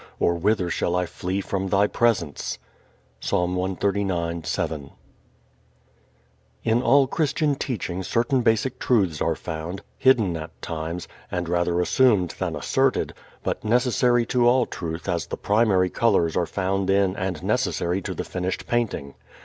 or whither shall I flee from thy presence? Psa. 139:7 In all Christian teaching certain basic truths are found, hidden at times, and rather assumed than asserted, but necessary to all truth as the primary colors are found in and necessary to the finished painting.